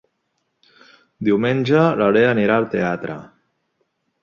Diumenge na Lea anirà al teatre.